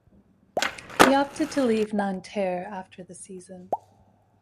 He opted to leave Nanterre after the season.